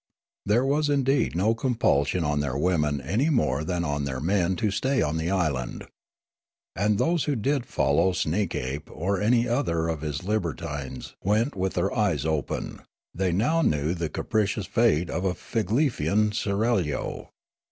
There was indeed no compulsion on their women any more than on their men to stay on the island. And those who did follow Sneekape or any other of his libertines went with their eyes open ; they now knew the capricious fate of a Figlefian seraglio.